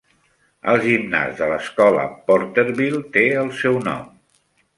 El gimnàs de l'escola Porterville té el seu nom.